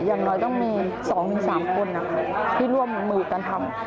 อย่างน้อยต้องมี๒๓คนที่ร่วมมือกันทำ